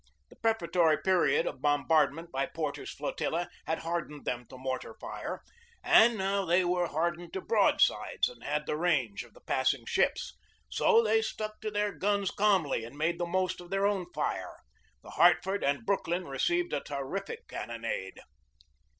The prefatory period of bombardment by Porter's flotilla had hardened them to mortar fire; and now they were hardened to broadsides and had the range of the passing ships. So they stuck to their guns calmly and made the most of their own fire. The Hartford and Brooklyn received a terrific cannonade.